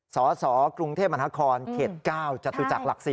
สสกรุงเทพมหานครเขต๙จตุจักรหลัก๔